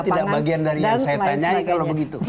jadi anda tidak bagian dari yang saya tanyain kalau begitu